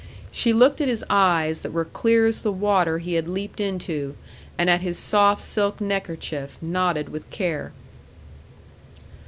She looked at his eyes that were clear as the water he had leaped into, and at his soft silk neckerchief, knotted with care.